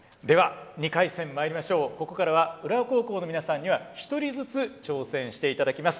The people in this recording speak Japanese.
ここからは浦和高校の皆さんには１人ずつ挑戦していただきます。